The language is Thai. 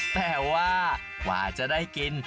แต่ว่ากว่าจะได้กิน